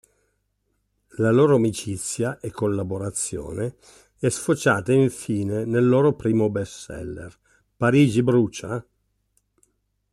La loro amicizia e collaborazione è sfociata infine nel loro primo bestseller: "Parigi brucia?